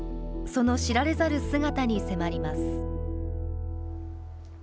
その知られざる姿に迫ります。